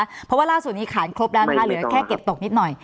เพราะว่าล่าสุดนี้ขานครบแล้วนะคะเหลือแค่เก็บตกนิดหน่อย